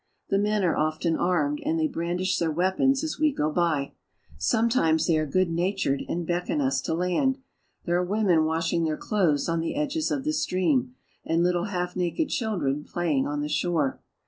The men are often armed,, and they brandish their weapons as we go by. Sometimes they are good natured and beckon us to land. There are women washing their clothes on the edges of the stream, and littie half naked children playing on the shore.